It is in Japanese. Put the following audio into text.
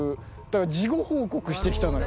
だから事後報告してきたの。